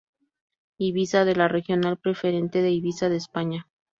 Ibiza de la Regional preferente de Ibiza de España.